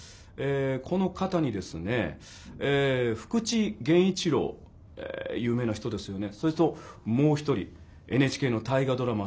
この方にですね福地源一郎有名な人ですよねそれともう一人ＮＨＫの大河ドラマ